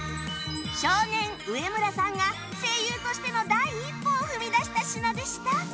少年上村さんが声優としての第一歩を踏み出した品でした